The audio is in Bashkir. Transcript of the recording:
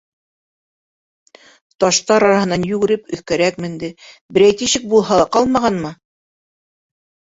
Таштар араһынан йүгереп өҫкәрәк менде, берәй тишек булһа ла ҡалмағанмы?